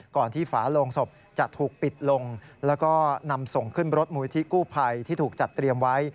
ก่อนที่ฝาโลงศพจะถูกปิดลงแล้วก็นำส่งขึ้นรถมูลิธิกู้ภัยที่ถูกจัดเตรียมไว้